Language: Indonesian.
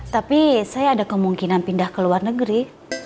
tapi saya ada kemungkinan pindah ke luar negeri